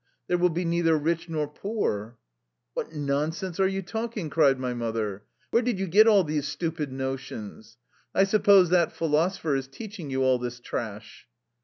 There will be neither rich nor poor !"" What nonsense are you talking? '^ cried my mother. "Where did you get all these stupid notions? I suppose that philosopher is teach ing you all this trash."